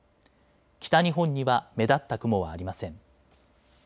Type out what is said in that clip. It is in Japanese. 北日本には目立った雲はありません。